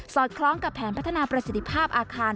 อดคล้องกับแผนพัฒนาประสิทธิภาพอาคาร